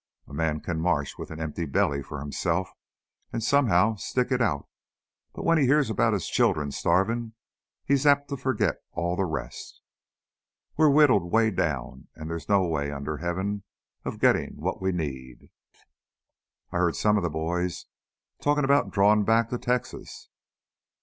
A man can march with an empty belly for himself and somehow stick it out, but when he hears about his children starvin' he's apt to forget all the rest. We're whittled 'way down, and there's no way under Heaven of gettin' what we need." "I heard some of the boys talkin' about drawin' back to Texas."